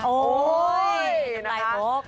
โอ้ยน้ำไรโอ๊ค